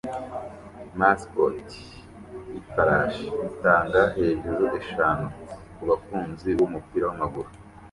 Mascot yifarashi itanga hejuru-eshanu kubakunzi bumupira wamaguru